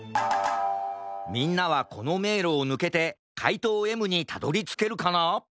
みんなはこのめいろをぬけてかいとうＭにたどりつけるかな？